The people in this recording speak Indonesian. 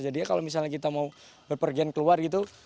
jadi kalau misalnya kita mau berpergian keluar